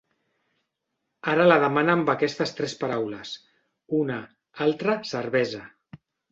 Ara la demana amb aquestes tres paraules: una, altra, cervesa.